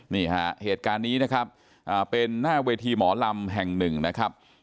นี่ฮะเหตุการณ์นี้นะครับเป็นหน้าเวทีหมอลำแห่งหนึ่งนะครับ